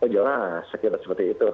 jelas sekitar seperti itu